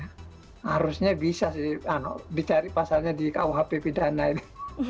harusnya bisa sih dicari pasalnya di kuhp pidana ini